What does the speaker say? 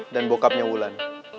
dan bokapnya wulan